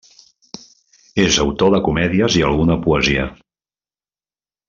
És autor de comèdies i alguna poesia.